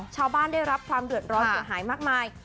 ชาวบ้านได้รับความเดือดร้อนเสียหายมากมาย